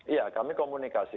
iya kami komunikasi